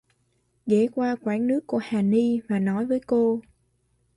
Ghé qua quán nước của Hà Ni và nói với cô